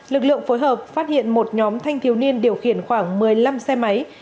lực lượng phối hợp phát hiện một nhóm thanh thiếu niên điều khiển khoảng một mươi năm xe máy